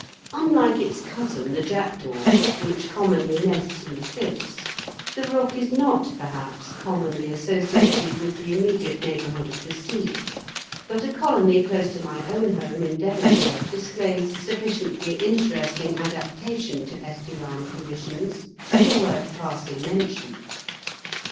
Unlike its cousin the jackdaw, which commonly nests in the cliffs, the rook is not, perhaps, commonly associated with the immediate neighbourhood of the sea, but a colony close to my own home in Devonshire displays sufficiently interesting adaptation to estuarine conditions to be worth passing mention.